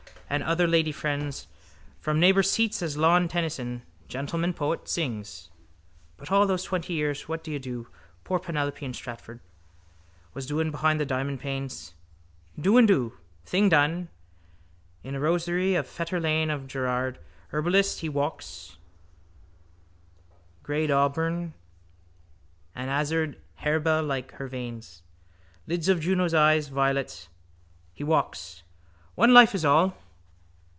And other lady friends from neighbour seats as Lawn Tennyson, gentleman poet, sings. But all those twenty years what do you suppose poor Penelope in Stratford was doing behind the diamond panes? Do and do. Thing done. In a rosery of Fetter lane of Gerard, herbalist, he walks, greyedauburn. An azured harebell like her veins. Lids of Juno's eyes, violets. He walks. One life is all.